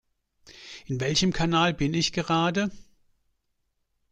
In welchem Kanal bin ich gerade?